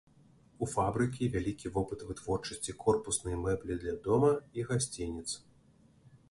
У фабрыкі вялікі вопыт вытворчасці корпуснай мэблі для дома і гасцініц.